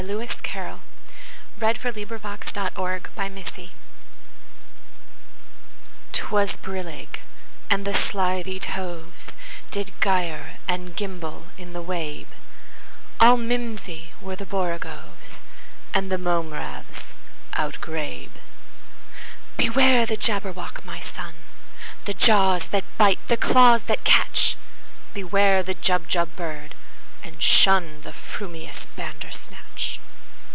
Lewis Carroll 1832–98 Jabberwocky CarrollL 'T WAS brillig, and the slithy tovesDid gyre and gimble in the wabe; All mimsy were the borogoves, And the mome raths outgrabe."Beware the Jabberwock, my son! The jaws that bite, the claws that catch! Beware the Jubjub bird, and shunThe frumious Bandersnatch!"